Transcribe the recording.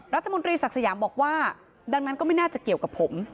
รัฐมนตรีศักดิ์สยามบอกว่าดังนั้นก็ไม่น่าจะเกี่ยวกับผม